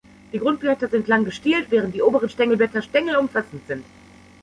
Die Grundblätter sind lang gestielt, während die oberen Stängelblätter stängelumfassend sind.